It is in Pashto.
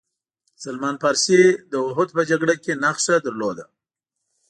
سلمان فارسي داوحد په جګړه کې نښه درلوده.